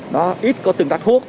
nó ít có tương tác thuốc